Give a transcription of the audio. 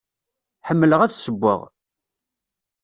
Ḥemmleɣ ad ssewweɣ.